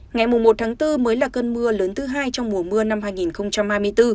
ngày một tháng bốn mới là cơn mưa lớn thứ hai trong mùa mưa năm hai nghìn hai mươi bốn